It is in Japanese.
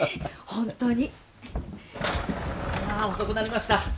ホントにいや遅くなりました